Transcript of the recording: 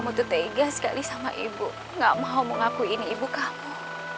kamu tuh tegas sekali sama ibu nggak mau mengakui ini ibu kamu